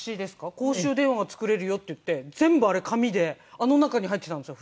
公衆電話作れるよっていって全部あれ紙であの中に入ってたんですよ